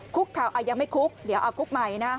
คุกเขายังไม่คุกเดี๋ยวเอาคุกใหม่นะ